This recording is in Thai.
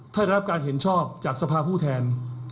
ได้รับการเห็นชอบจากสภาผู้แทน